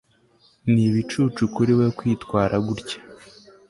Ni ibicucu kuri we kwitwara gutya